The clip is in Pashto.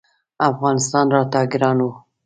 افغانستان راته ګران و.